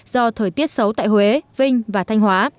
do thời tiết xấu tại huế vinh và thanh hóa